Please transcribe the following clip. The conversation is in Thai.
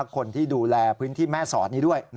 คนที่ดูแลพื้นที่แม่สอดนี้ด้วย